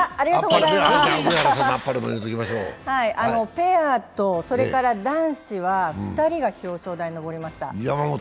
ペアと男子は２人が表彰台に上りました。